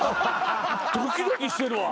ドキドキしとるわ。